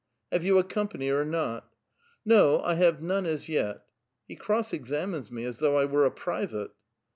" Have you a company or not?" '' No, I have none as yet. (He cross examines me as though I were a private